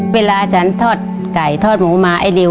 เวลาฉันทอดไก่ทอดหมูมาไอ้ดิว